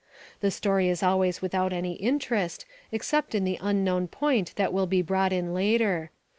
The story is always without any interest except in the unknown point that will be brought in later.